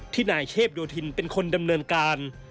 นายเทพโยธินเป็นคนดำเนินการ